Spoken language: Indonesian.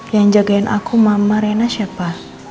yang jagain aku mama rena siapa